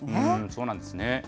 そうなんですね。